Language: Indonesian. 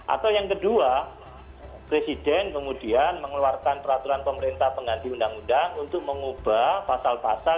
atau yang kedua presiden kemudian mengeluarkan peraturan pemerintah pengganti undang undang untuk mengubah pasal pasal